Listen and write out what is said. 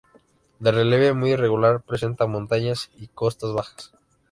De relieve muy irregular presenta montañas y costas bajas.